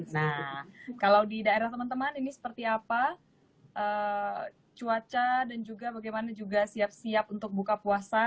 nah kalau di daerah teman teman ini seperti apa cuaca dan juga bagaimana juga siap siap untuk buka puasa